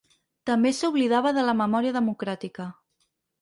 També s’oblidava de la memòria democràtica.